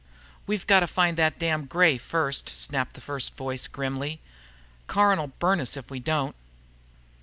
"We've got to find that damned Gray first," snapped the first voice grimly. "Caron'll burn us if we don't."